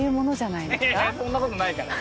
そんなことないから。